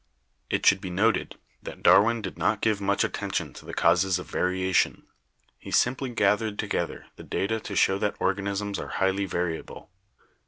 It should be noted that Darwin did not give much at tention to the causes of variation. He simply gathered! together the data to show that organisms are highly variable.